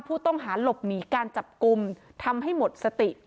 ผู้ต้องหาหลบหนีการจับกลุ่มทำให้หมดสติ